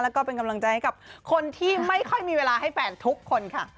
แล้วก็เป็นกำลังใจให้กับคนที่ไม่ค่อยมีเวลาให้แฟนทุกคนค่ะ